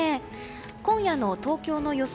今夜の東京の予想